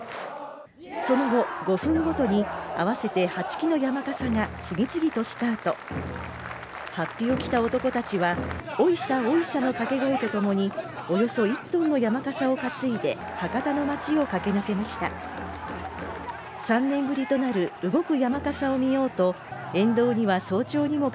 その後５分ごとに合わせて８基の山笠が次々とスタートはっぴを着た男たちはおいさおいさの掛け声とともにおよそ１トンの山笠を担いで博多の街を駆け抜けました３年ぶりとなる動く山笠を見ようと沿道には早朝にも